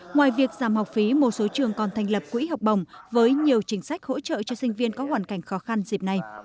ngoài việc giảm học phí một số trường còn thành lập quỹ học bồng với nhiều chính sách hỗ trợ cho sinh viên có hoàn cảnh khó khăn dịp này